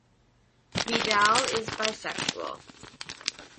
Vidal is bisexual.